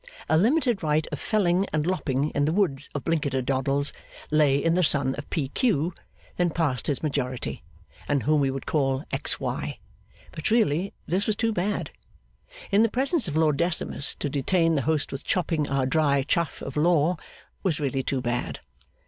A limited right of felling and lopping in the woods of Blinkiter Doddles, lay in the son of P. Q. then past his majority, and whom we would call X. Y. but really this was too bad! In the presence of Lord Decimus, to detain the host with chopping our dry chaff of law, was really too bad!